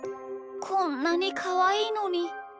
こんなにかわいいのに。